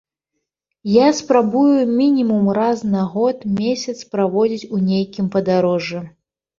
Я спрабую мінімум раз на год месяц праводзіць у нейкім падарожжы.